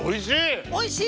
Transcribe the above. おいしい！